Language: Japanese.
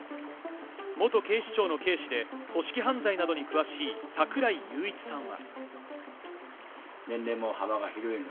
元警視庁の刑事で組織犯罪などに詳しい櫻井裕一さんは。